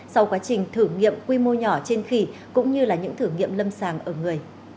sau quá trình thử nghiệm quy mô nhỏ trên khỉ cũng như là những thử nghiệm lâm sàng ở người